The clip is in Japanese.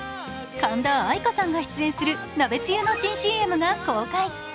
神田愛花さんが出演する鍋つゆの新ＣＭが公開。